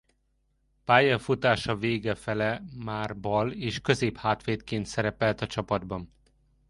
Pályafutása vége fele már bal- és középhátvédként szerepelt a csapatban.